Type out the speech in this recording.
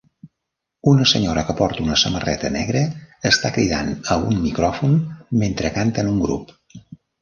Una senyora que porta una samarreta negra està cridant a un micròfon mentre canta en un grup.